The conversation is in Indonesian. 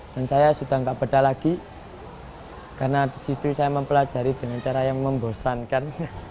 dan saya sudah tidak berda lagi karena disitu saya mempelajari dengan cara yang membosankan